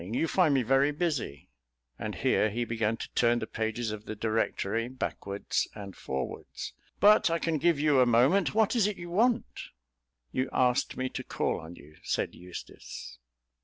You find me very busy," and here he began to turn the pages of the Directory backwards and forwards, "but I can give you a moment. What is it you want?" "You asked me to call on you," said Eustace.